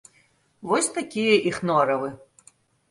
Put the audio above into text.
Вось такія іх норавы.